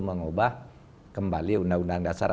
mengubah kembali undang undang dasar